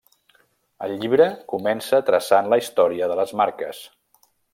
El llibre comença traçant la història de les marques.